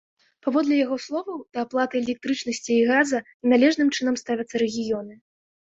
Паводле яго словаў, да аплаты электрычнасці і газа неналежным чынам ставяцца рэгіёны.